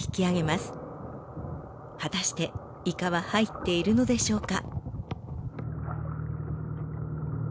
果たしてイカは入っているのでしょうか？